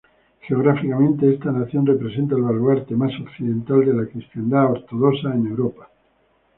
Geográficamente esta nación representa el baluarte más occidental de la cristiandad ortodoxa en Europa.